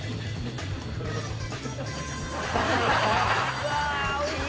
うわおいしそう。